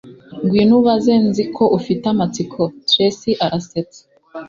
ngwino ubaze. nzi ko ufite amatsiko. tracy arasetsa